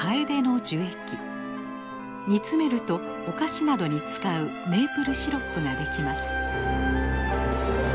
煮詰めるとお菓子などに使うメープルシロップができます。